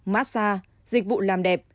massage dịch vụ làm đẹp